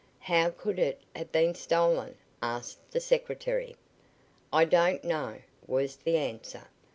"How could it have been stolen?" asked the secretary. "I don't know," was the answer.